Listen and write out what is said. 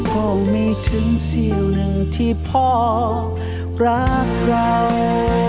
ก็ไม่ถึงเสี่ยวหนึ่งที่พ่อรักเรา